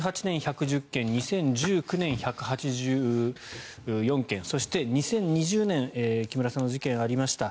２０１８年、１１０件２０１９年、１８４件そして、２０２０年木村さんの事件がありました。